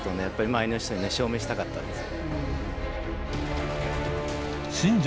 周りの人に証明したかったです。